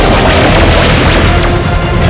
names yang tersedia dikillge